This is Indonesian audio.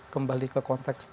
kembali ke konteks tadi